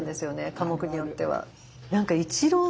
科目によっては。